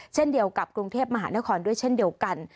เช่นเดียวกับกรุงเทพมหานครด้วยเช่นเดียวกัน